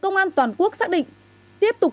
công an toàn quốc xác định tiếp tục